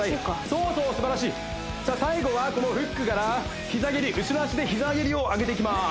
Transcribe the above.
そうそうすばらしい最後はこのフックから膝蹴り後ろ足で膝蹴りを上げていきます